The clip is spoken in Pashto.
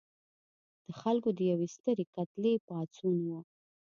د خلکو د یوې سترې کتلې پاڅون و.